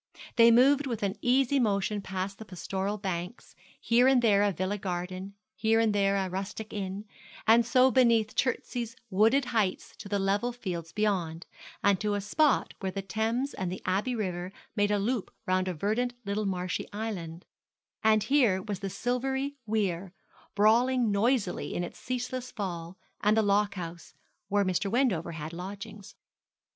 They moved with an easy motion past the pastoral banks, here and there a villa garden, here and there a rustic inn, and so beneath Chertsey's wooded heights to the level fields beyond, and to a spot where the Thames and the Abbey River made a loop round a verdant little marshy island; and here was the silvery weir, brawling noisily in its ceaseless fall, and the lockhouse, where Mr. Wendover had lodgings.